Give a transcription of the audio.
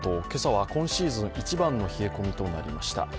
今朝は今シーズン一番の冷え込みとなりました。